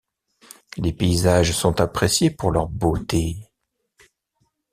Les paysages sont appréciés pour leur beauté.